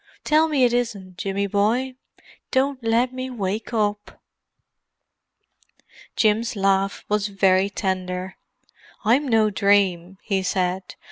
"Tell me it isn't, Jimmy boy. Don't let me wake up." Jim's laugh was very tender. "I'm no dream," he said.